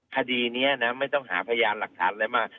คดีนี้นะไม่ต้องหาพยานหลักฐานอะไรมา